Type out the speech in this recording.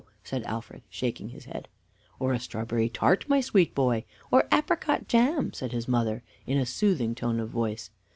said Alfred, shaking his head. "Or a strawberry tart, my sweet boy? or apricot jam?" said his mother, in a soothing tone of voice.